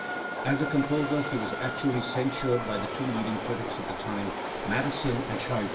As a composer he was actually censured by the two leading critics of the time, Mattheson and Scheibe.